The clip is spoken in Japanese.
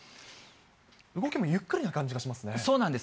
動きもゆっくりな感じがしまそうなんです。